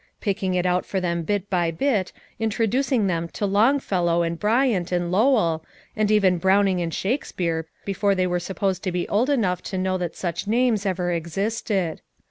Picking it out for them bit by bit; introducing them to Longfellow and Bryant and Lowell, and even Browning and Shakespeare before they were supposed to be old enough to know that such names ever existed.